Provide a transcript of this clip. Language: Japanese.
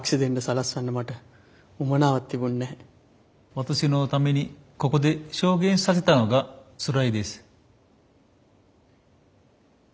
私のためにここで証言させたのがつらいです。